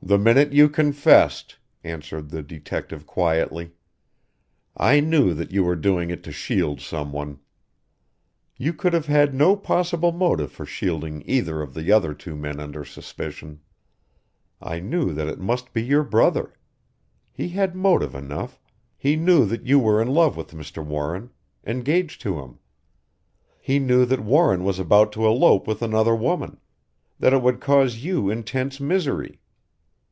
"The minute you confessed," answered the detective quietly, "I knew that you were doing it to shield someone. You could have had no possible motive for shielding either of the other two men under suspicion. I knew that it must be your brother. He had motive enough he knew that you were in love with Mr. Warren engaged to him. He knew that Warren was about to elope with another woman, that it would cause you intense misery.